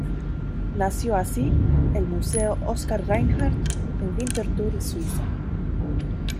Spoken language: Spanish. Nació así el Museo Oskar Reinhart en Winterthur, Suiza.